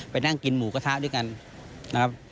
นั่งกินหมูกระทะด้วยกันนะครับ